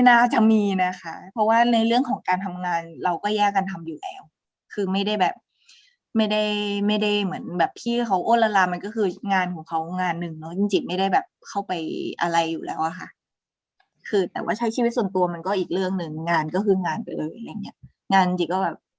อยากจะไปออกช่องพี่เขาอะไรอย่างงี้แบบเออถ้าไม่ได้ตังค์ก็ไม่ไปออก